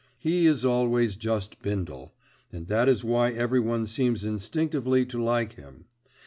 He is always just Bindle, and that is why everyone seems instinctively to like him.